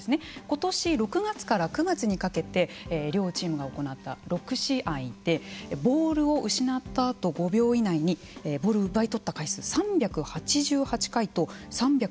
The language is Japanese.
ことし６月から９月にかけて両チームが行った６試合でボールを失ったあと５秒以内にボールを奪い取った回数３８８回と３９０回。